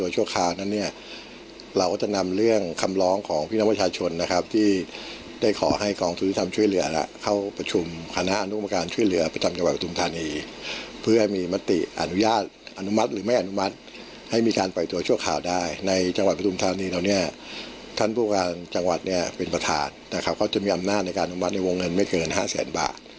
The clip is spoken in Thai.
จังหวัดเป็นประธานเขาจะมีอำนาจในการอุบัติในวงเงินไม่เกิน๕แสนบาท